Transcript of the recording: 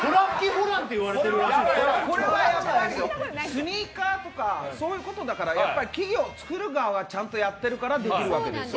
スニーカーとかそういうことだから、企業、作る側がちゃんとやっているからできるわけですよ。